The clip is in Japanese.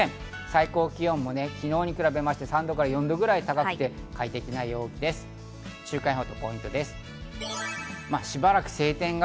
最高気温も昨日に比べまして、３度から４度くらい高くて快適な今日の占いスッキリす。